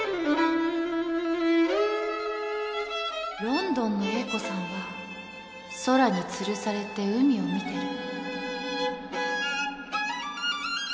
ロンドンの Ａ 子さんは空につるされて海を見ている